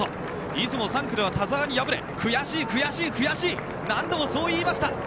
出雲３区では田澤に敗れ悔しい、悔しい何度もそう言いました。